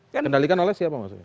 kendalikan oleh siapa maksudnya